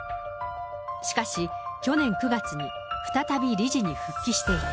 しかし、去年９月に再び理事に復帰していた。